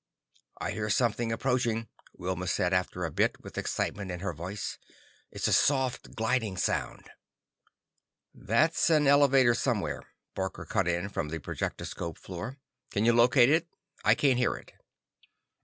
"I hear something approaching," Wilma said after a bit, with excitement in her voice. "It's a soft, gliding sound." "That's an elevator somewhere," Barker cut in from the projectoscope floor. "Can you locate it? I can't hear it."